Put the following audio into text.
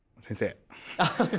先生。